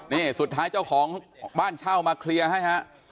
นี่สุดท้ายเจ้าของบ้านเช่ามาเคลียร์ให้ฮะ